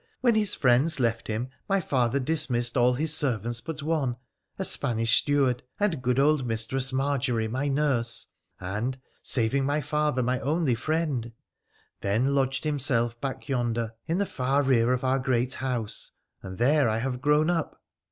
When his friends left him, my father dismissed all his servants but one — a Spanish steward — and good old Mistress Margery, my nurse (and, saving my father, my only friend), then lodged himself back yonder in the far rear of our great house, and there I have grown up.'